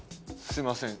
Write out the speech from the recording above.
すみません